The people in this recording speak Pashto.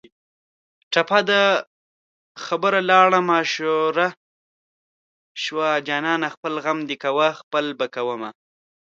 ټپه ده: خبره لاړه ماشوړه شوه جانانه خپل غم دې کوه خپل به کومه